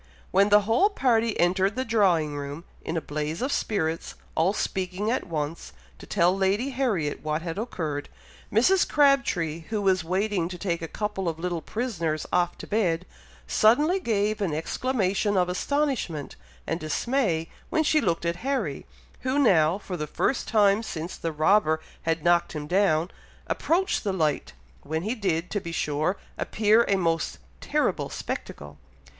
When the whole party entered the drawing room, in a blaze of spirits, all speaking at once, to tell Lady Harriet what had occurred, Mrs. Crabtree, who was waiting to take a couple of little prisoners off to bed, suddenly gave an exclamation of astonishment and dismay when she looked at Harry, who now, for the first time since the robber had knocked him down, approached the light, when he did, to be sure, appear a most terrible spectacle!